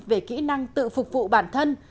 về kỹ năng tự phục vụ bản thân